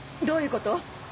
どういうこと？